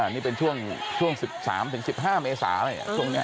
นี่เป็นช่วง๑๓๑๕เมษาเลยช่วงนี้